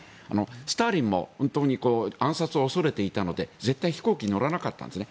スターリンも暗殺を恐れていたので絶対飛行機に乗らなかったんですね。